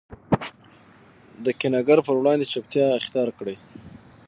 د کینه ګر په وړاندي چوپتیا اختیارکړئ!